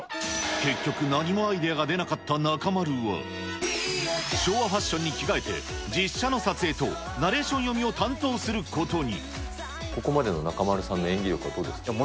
結局、何もアイデアが出なかった中丸は、昭和ファッションに着替えて、実写の撮影とナレーション読みを担当することに。